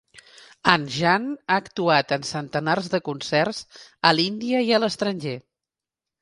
Anjan ha actuat en centenars de concerts a l'Índia i a l'estranger.